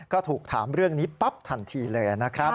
ก็ถูกถามเรื่องนี้ปั๊บทันทีเลยนะครับ